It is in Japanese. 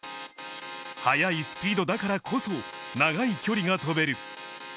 速いスピードだからこそ長い距離が跳べる。